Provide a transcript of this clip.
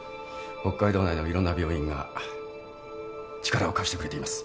北海道内のいろんな病院が力を貸してくれています。